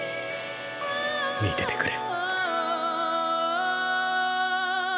見ててくれ。